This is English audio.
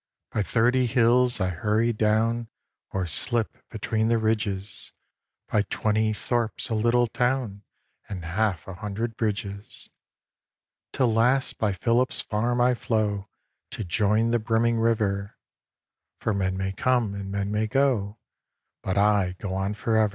By thirty hills I hurry down, Or slip between the ridges, By twenty thorps, a little town, And half a hundred bridges. Till last by Philip's farm I flow To join the brimming river, For men may come and men may go, But I go on for ever.